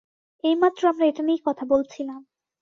এইমাত্র আমরা এটা নিয়েই কথা বলছিলাম।